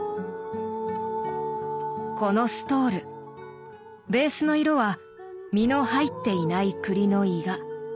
このストールベースの色は実の入っていないクリのイガ。